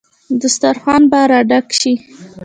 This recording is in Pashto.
دسترخان به ډک شي.